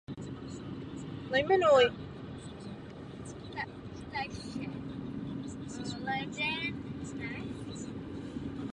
Kromě toho mělo ruské impérium v oblasti mezinárodního obchodu a výměny spíše okrajové postavení.